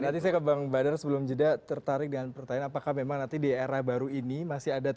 nanti saya ke bang badar sebelum jeda tertarik dengan pertanyaan apakah memang nanti di era baru ini masih ada